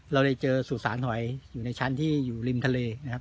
เราได้เจอสุสานหอยอยู่ในชั้นที่อยู่ริมทะเลนะครับ